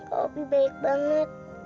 kak opi baik banget